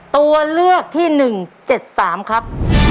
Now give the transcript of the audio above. ตัวเลือกที่หนึ่งเจ็ดสามครับ